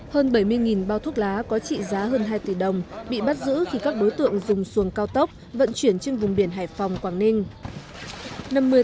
hơn bảy mươi bao thuốc lá có trị giá hơn hai tỷ đồng bị bắt giữ khi các đối tượng dùng xuồng cao tốc vận chuyển trên vùng biển hải phòng quảng ninh